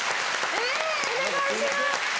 え⁉お願いします。